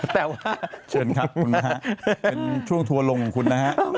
แต่ว่าเชิญครับคุณนะฮะเป็นช่วงทัวร์ลงของคุณนะฮะ